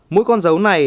mỗi con dấu này